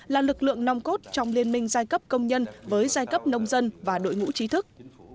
là lực lượng nòng cốt trong liên minh giai cấp công nhân với giai cấp nông dân và đội ngũ trí thức